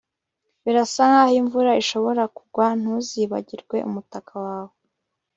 Birasa nkaho imvura ishobora kugwa ntuzibagirwe umutaka wawe